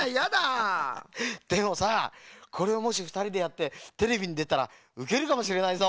でもさこれをもしふたりでやってテレビにでたらうけるかもしれないぞ。